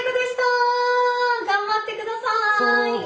頑張ってください。